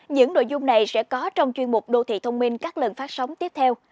những nội dung này sẽ có trong chuyên mục đô thị thông minh các lần phát sóng tiếp theo